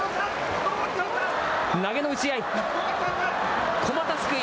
投げの打ち合い。